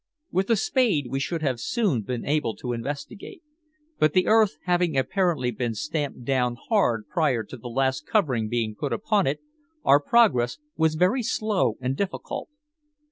With a spade we should have soon been able to investigate, but the earth having apparently been stamped down hard prior to the last covering being put upon it, our progress was very slow and difficult.